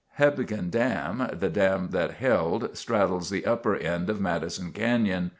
Hebgen Dam, the dam that held, straddles the upper end of Madison Canyon.